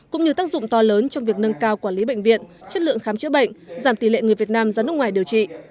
cũng như tác dụng to lớn trong việc nâng cao quản lý bệnh viện chất lượng khám chữa bệnh giảm tỷ lệ người việt nam ra nước ngoài điều trị